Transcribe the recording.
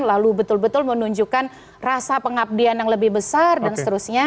lalu betul betul menunjukkan rasa pengabdian yang lebih besar dan seterusnya